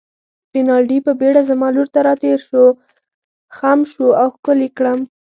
رینالډي په بېړه زما لور ته راتېر شو، خم شو او ښکل يې کړم.